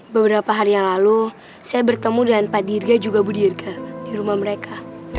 beberapa hari yang lalu saya bertemu dengan pak dirga juga bu dirga di rumah mereka